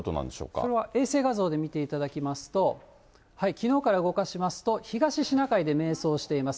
それは衛星画像で見ていただきますと、きのうから動かしますと、東シナ海で迷走しています。